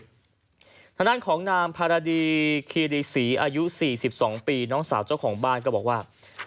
ทางด้านของนางภารดีคีรีศรีอายุ๔๒ปีน้องสาวเจ้าของบ้านก็บอกว่า